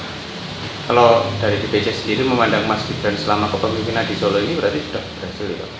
kalau dari dpc sendiri memandang mas gibran selama kepemimpinan di solo ini berarti sudah berhasil pak